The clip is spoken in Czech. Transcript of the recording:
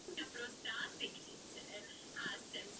O její pěvecké kariéře není nic dalšího známo.